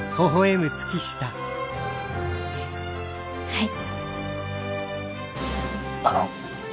はい。